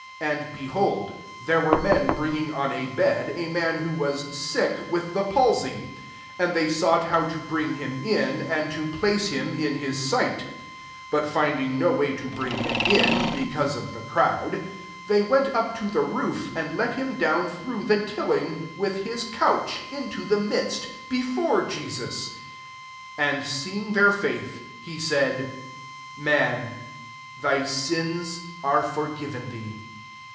18 And, be hold, there were men brmg^ on a bed a man who was skk with the palsy : atui they sought how to bring him in, and to place fdm in h» ai^it 19 But finding no way to faraig him in, because of the crowd, they went up to the roof, and let him down through the til ing, with his couch, into the midst, before Jesus. SO And «ee ihg their faith, he said, Man, thy sins are forgiven thee."